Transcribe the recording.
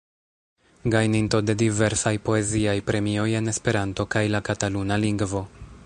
Gajninto de diversaj poeziaj premioj en Esperanto kaj la kataluna lingvo.